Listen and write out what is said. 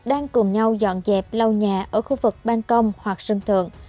đang cùng nhau dọn dẹp lau nhà ở khu vực ban công hoặc sân thượng